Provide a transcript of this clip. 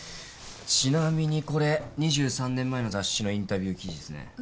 ちなみにこれ２３年前の雑誌のインタビュー記事ですね。